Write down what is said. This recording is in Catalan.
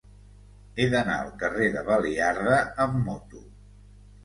He d'anar al carrer de Baliarda amb moto.